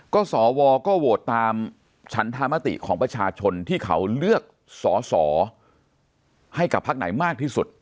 ก็สวก็โหวตตามฉันธรรมติของประชาชนที่เขาเลือกสอสอให้กับพักไหนมากที่สุด